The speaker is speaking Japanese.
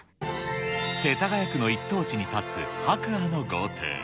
世田谷区の一等地に建つ、白亜の豪邸。